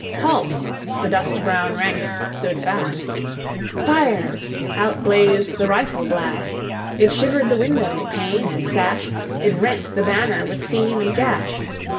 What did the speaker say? "Halt!" the dust brown ranks stood fast. "Fire!" out blazed the rifle blast. It shivered the window, pane and sash; It rent the banner with seam and gash.